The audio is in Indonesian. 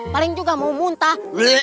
paling juga mau muntah